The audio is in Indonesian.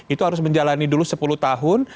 itu harus menjalani dulu sepuluh tahun